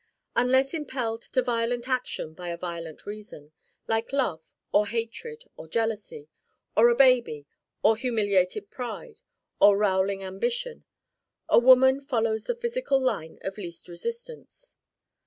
Unless impelled to violent action by a violent reason like love or hatred or jealousy or a baby or humiliated pride or rowelling ambition a woman follows the physical line of least resistance.